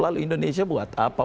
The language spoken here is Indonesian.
lalu indonesia buat apa